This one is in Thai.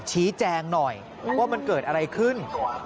ชี้แจงหน่อยว่ามันเกิดอะไรขึ้น